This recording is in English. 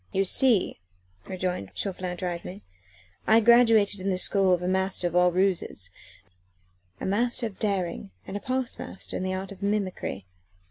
"You see," rejoined Chauvelin drily, "I graduated in the school of a master of all ruses a master of daring and a past master in the art of mimicry.